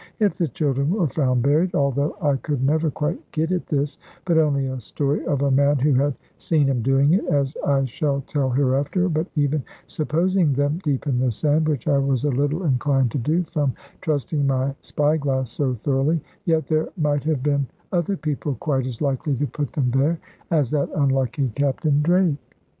If the children were found buried although I could never quite get at this, but only a story of a man who had seen him doing it, as I shall tell hereafter but even supposing them deep in the sand (which I was a little inclined to do, from trusting my spy glass so thoroughly), yet there might have been other people quite as likely to put them there as that unlucky Captain Drake.